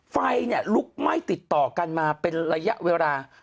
ไฟลุกไหม้ติดต่อกันมาเป็นระยะเวลา